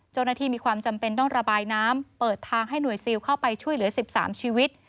เจ้าหน้าที่มีความจำเป็นต้องระบายน้ำเปิดทางให้หน่วยซีลเข้าไปช่วยเหลือสิบสามชีวิต